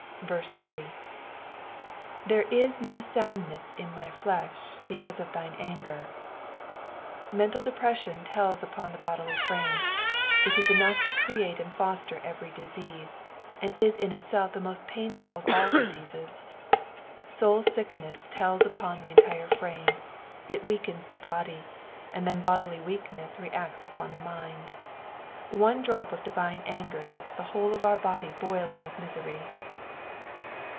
3. " There i* no wmndn'jJi in my JU>h iecavae of thine anger." Mental de pression tells upon the bodily frame ; it is enough to create and foster every disease, and is in itself the mo^t painful of all diaeasea. Boul aickneea teila upon the entire frame ; it weakens the body, and then Iwdily weakness reacts upon the mind. One drop of divine anger acts the whole of our blood boiling with misery.